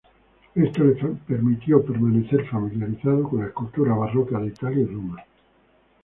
Esto le permitió permanecer familiarizado con la escultura barroca de Italia y Roma.